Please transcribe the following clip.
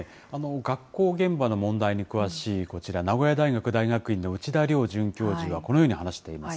学校現場の問題に詳しいこちら、名古屋大学大学院の内田良准教授はこのように話しています。